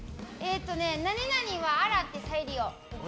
何々は洗って再利用。